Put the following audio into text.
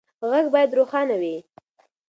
غږ باید روښانه وي.